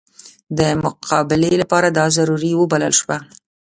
د مقابلې لپاره دا ضروري وبلله شوه.